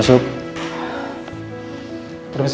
masa kedua kamu tetap peduli